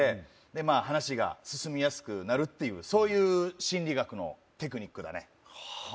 あ話が進みやすくなるっていうそういう心理学のテクニックだねはあ